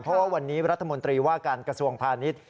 เพราะว่าวันนี้รัฐมนตรีว่าการกระทรวงพาณิชย์